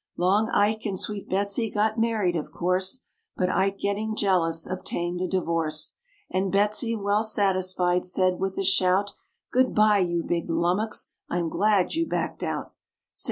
Long Ike and sweet Betsy got married of course, But Ike getting jealous obtained a divorce; And Betsy, well satisfied, said with a shout, "Good bye, you big lummax, I'm glad you backed out."